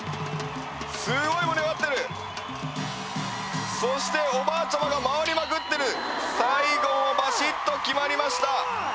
すごい盛り上がってるそしておばあちゃまが回りまくってる最後はバシッと決まりました